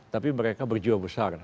tapi mereka berjiwa besar